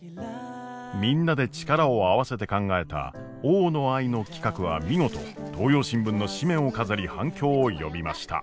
みんなで力を合わせて考えた大野愛の企画は見事東洋新聞の紙面を飾り反響を呼びました。